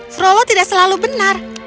frollo tidak selalu benar